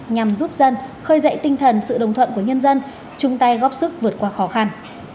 nhằm giúp dân khơi dậy tinh thần sự đồng thuận của nhân dân chung tay góp sức vượt qua khó khăn